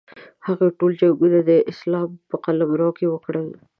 هغوی ټول جنګونه د اسلام په قلمرو کې وکړل.